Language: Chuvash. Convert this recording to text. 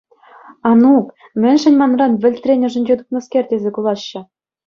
Анук, мӗншӗн манран вӗлтрен ӑшӗнче тупнӑскер, тесе кулаҫҫӗ?